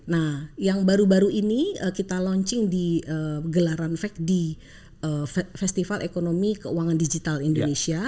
nah yang baru baru ini kita launching di gelaran fact di festival ekonomi keuangan digital indonesia